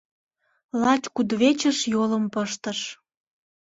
Лач кудывечыш йолым пыштыш